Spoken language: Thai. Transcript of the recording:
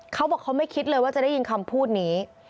เขาบอกเขาไม่คิดเลยว่าจะได้ยินคำพูดนี้